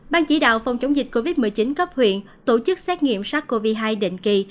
ban chỉ đạo phòng chống dịch covid một mươi chín cấp huyện tổ chức xét nghiệm sars cov hai định kỳ